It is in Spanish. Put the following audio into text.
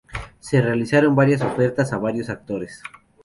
Se realizaron varias ofertas a varios actores.